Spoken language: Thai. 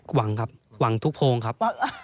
หวังครับหวังทุกโพงครับ